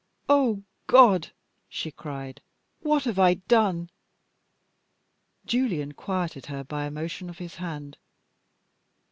"O God" she cried, "what have I done!" Julian quieted her by a motion of his hand.